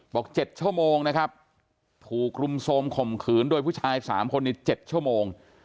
๗ชั่วโมงนะครับถูกรุมโทรมข่มขืนโดยผู้ชาย๓คนใน๗ชั่วโมง